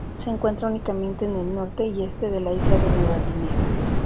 Se encuentra únicamente en el norte y este de la isla de Nueva Guinea.